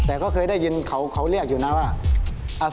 แต่ก็เคยได้ยินเขาเรียกอยู่นะว่า